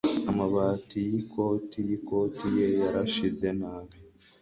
Amabati yikoti yikoti ye yarashize nabi.